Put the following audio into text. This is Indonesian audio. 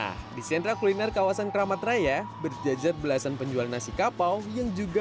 nah di sentra kuliner kawasan keramat raya berjajar belasan penjual nasi kapau yang juga